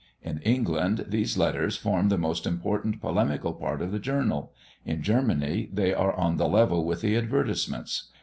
In England these letters form the most important polemical part of the journal; in Germany they are on the level with the advertisements.